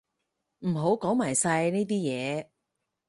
唔好講埋晒呢啲嘢